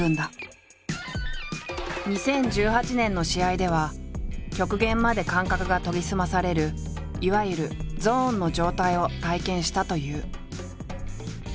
２０１８年の試合では極限まで感覚が研ぎ澄まされるいわゆる「ゾーン」の状態を体験したという。